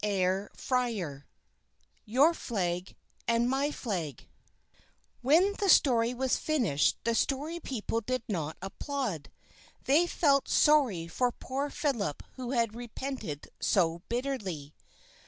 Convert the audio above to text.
'" XXXIII YOUR FLAG AND MY FLAG WHEN the story was finished the Story People did not applaud; they felt sorry for poor Philip who had repented so bitterly.